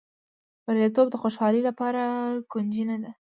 بریالیتوب د خوشالۍ لپاره کونجي نه ده.